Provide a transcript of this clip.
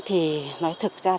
thì nói thực ra